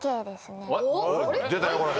出たよこれ！